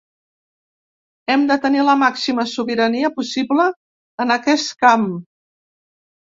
Hem de tenir la màxima sobirania possible en aquest camp.